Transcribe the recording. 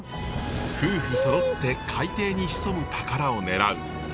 夫婦そろって海底に潜む宝を狙う。